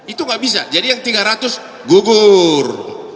itu nggak bisa jadi yang tiga ratus gugur